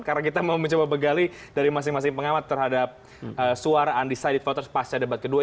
karena kita mau mencoba begali dari masing masing pengamat terhadap suara undecided voters pasca debat kedua